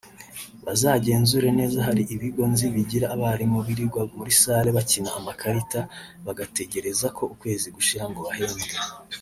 Bazagenzure neza hari ibigo nzi bigira abarimu birirwa muri salle bakina amakarita bagategereza ko ukwezi gushira ngo bahembwe